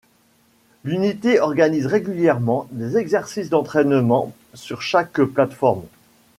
L'unité organise régulièrement des exercices d'entraînement sur chaque plate-forme.